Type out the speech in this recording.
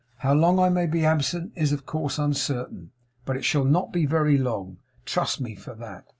How long I may be absent is, of course, uncertain; but it shall not be very long. Trust me for that.